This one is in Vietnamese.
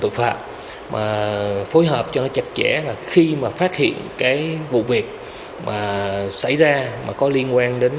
tội phạm mà phối hợp cho nó chặt chẽ là khi mà phát hiện cái vụ việc mà xảy ra mà có liên quan đến